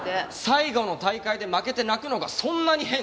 最後の大会で負けて泣くのがそんなに変？